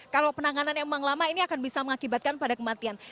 kalau penanganan yang memang lama ini akan bisa mengakibatkan pada kematian